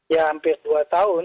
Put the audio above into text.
ya hampir dua tahun